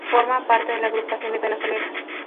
Forma parte de la Agrupación de Cadenas Hoteleras.